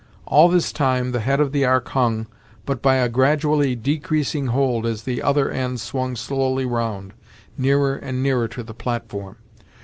All this time, the head of the Ark hung, but by a gradually decreasing hold as the other end swung slowly round, nearer and nearer to the platform.